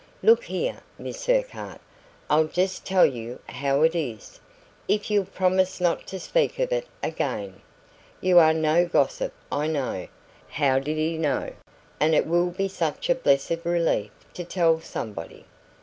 "Look here, Miss Urquhart, I'll just tell you how it is, if you'll promise not to speak of it again. You are no gossip, I know" how did he know? "and it will be such a blessed relief to tell somebody.